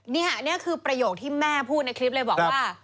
นี่คือประโยคที่แม่พูดในคลิปเลยบอกว่า